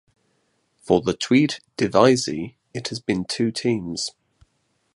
For the Tweede Divisie it has been two teams.